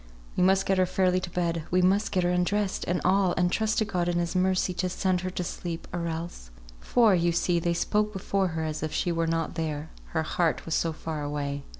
"We must get her fairly to bed; we must get her undressed, and all; and trust to God, in His mercy, to send her to sleep, or else, " For, you see, they spoke before her as if she were not there; her heart was so far away.